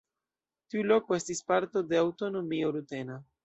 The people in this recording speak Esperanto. Tiu loko estis parto de aŭtonomio rutena.